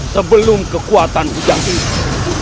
sebelum kekuatan ujang udap